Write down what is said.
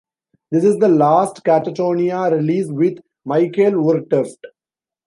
This is the last Katatonia release with Mikael Oretoft.